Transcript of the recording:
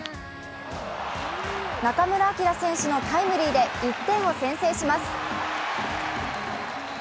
中村晃選手のタイムリーで１点を先制します。